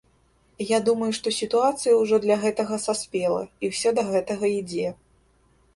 Я думаю, што сітуацыя ўжо для гэтага саспела і ўсё да гэтага ідзе.